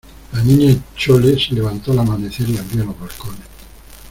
la Niña Chole se levantó al amanecer y abrió los balcones.